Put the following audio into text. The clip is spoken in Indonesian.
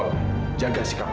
kamila lagi mencari kamila